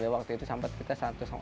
waktu itu sampai kita satu tiga